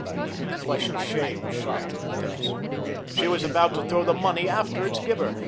A flush of shame shot to her face. She was about to throw the money after its giver.